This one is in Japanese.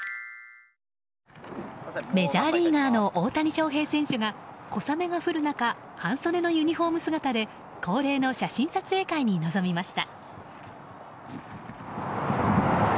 メジャーリーガーの大谷翔平選手が小雨が降る中半袖のユニホーム姿で恒例の写真撮影会に臨みました。